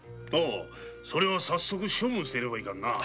それは早速処分せねばいかんな。